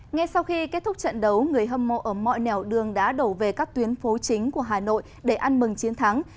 ngay sau khi kết thúc trận đấu người hâm mộ ở mọi nẻo đường đã đổ về các tuyến phố chính của hà nội để ăn mừng chiến thắng